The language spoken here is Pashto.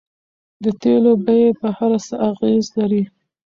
د تیلو بیې په هر څه اغیز لري.